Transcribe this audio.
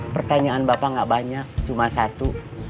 pertanyaan bapak nggak banyak cuma satu